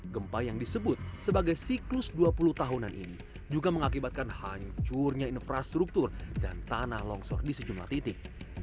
gempa yang disebut sebagai siklus dua puluh tahunan ini juga mengakibatkan hancurnya infrastruktur dan tanah longsor di sejumlah titik